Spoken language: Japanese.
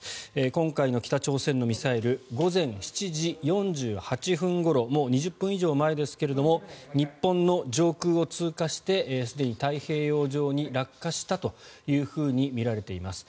今回の北朝鮮のミサイル午前７時４８分ごろもう２０分以上前ですが日本の上空を通過してすでに太平洋上に落下したというふうにみられています。